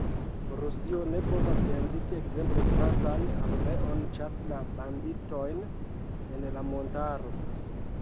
Rusio ne povas inviti ekzemple francan armeon ĉasi la banditojn en la montaro.